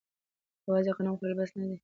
یوازې غنم خوړل بس نه دي.